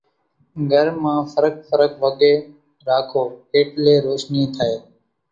گھر مان ڦرق ڦرق وڳين راکو ايٽلي روشني ٿائي۔